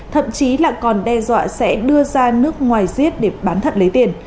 thậm chí là còn đe dọa sẽ đưa ra nước ngoài giết để bán thận lấy tiền